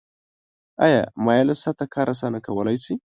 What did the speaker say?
آیا مایله سطحه کار اسانه کولی شي؟